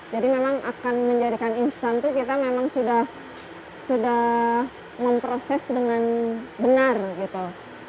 jadi memang akan menjadikan instan itu kita memang sudah memproses dengan benar gitu